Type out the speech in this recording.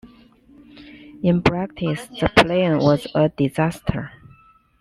In practice, the plan was a disaster.